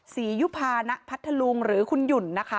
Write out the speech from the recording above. ยุภานะพัทธลุงหรือคุณหยุ่นนะคะ